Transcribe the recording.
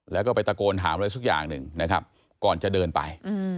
แล้วก็ไปตะโกนถามอะไรสักอย่างหนึ่งนะครับก่อนจะเดินไป